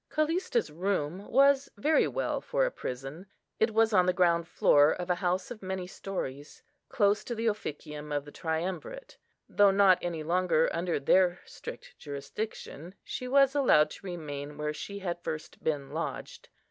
Callista's room was very well for a prison; it was on the ground floor of a house of many stories, close to the Officium of the Triumvirate. Though not any longer under their strict jurisdiction, she was allowed to remain where she had first been lodged.